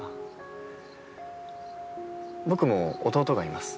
僕も弟がいます。